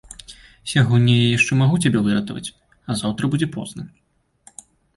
Сягоння я яшчэ магу цябе выратаваць, а заўтра будзе позна.